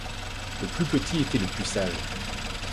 Le plus petit était le plus sage.